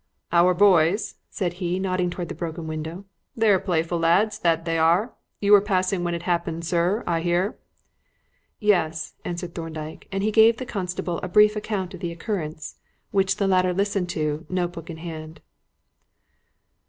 "Our boys," said he, nodding towards the broken window; "they're playful lads, that they are. You were passing when it happened, sir, I hear." "Yes," answered Thorndyke; and he gave the constable a brief account of the occurrence, which the latter listened to, notebook in hand.